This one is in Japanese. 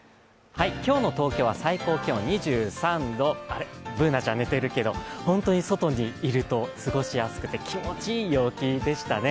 今日の東京は最高気温２３度あれ、Ｂｏｏｎａちゃん、寝てるけど、本当に外にいると過ごしやすくて気持ちいい陽気でしたね。